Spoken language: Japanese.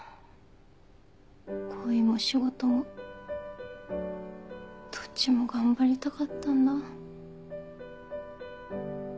恋も仕事もどっちも頑張りたかったんだ。